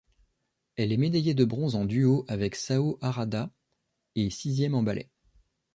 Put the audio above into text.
Elle est médaillée de bronze en duo avec Saho Harada et sixième en ballet.